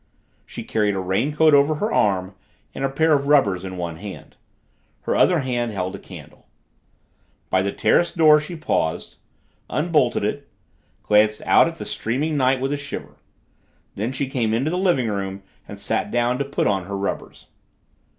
She carried a raincoat over her arm and a pair of rubbers in one hand. Her other hand held a candle. By the terrace door she paused, unbolted it, glanced out into the streaming night with a shiver. Then she came into the living room and sat down to put on her rubbers.